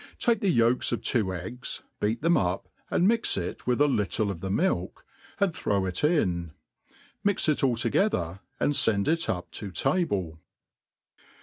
Take the yblks of two eggs, beat them up, and mix it with a little of the milk, and. throw it in ; mix it all together, ahd fend it up t6 uble.